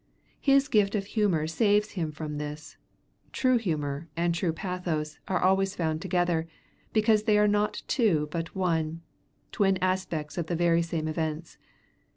His gift of humor saves him from this: true humor and true pathos are always found together because they are not two but one, twin aspects of the very same events.